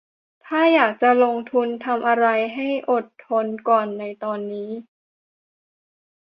ถ้าอยากจะลงทุนทำอะไรให้อดทนก่อนในตอนนี้